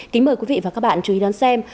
kính mời quý vị và các bạn chú ý đón xem